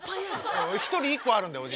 １人１個あるんだよ。